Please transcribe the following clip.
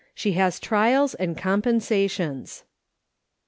SHE HAS TRIALS AND COMPENSATIONS.